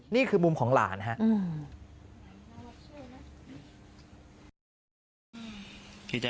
นี่คือมุมของหลานครับ